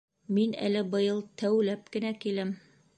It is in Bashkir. — Мин әле быйыл тәүләп кенә киләм.